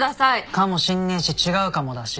かもしんねえし違うかもだし。